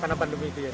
karena pandemi itu ya